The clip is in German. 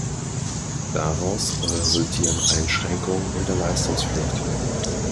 Daraus resultieren Einschränkungen in der Leistungspflicht.